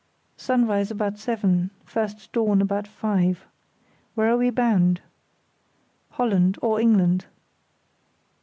"Sunrise about seven, first dawn about five. Where are we bound?" "Holland, or England."